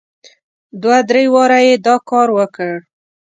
دوه درې واره یې دا کار وکړ.